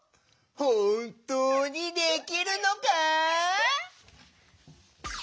ほんとうにできるのか？